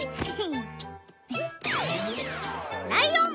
ライオン！